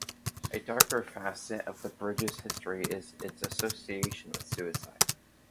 A darker facet of the bridge's history is its association with suicide.